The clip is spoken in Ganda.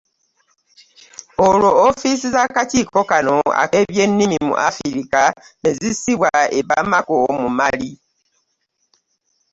Olwo ofiisi z'akakiiko kano ak'ebyennimi mu Afrika ne zissibwa e Bamako, mu Mali.